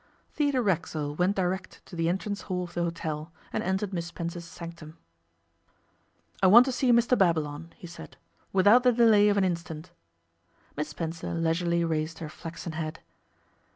Theodore Racksole went direct to the entrance hall of the hotel, and entered Miss Spencer's sanctum. 'I want to see Mr Babylon,' he said, 'without the delay of an instant.' Miss Spencer leisurely raised her flaxen head.